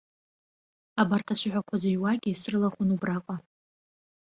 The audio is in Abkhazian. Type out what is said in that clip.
Абарҭ ацәаҳәақәа зыҩуагьы срылахәын убраҟа.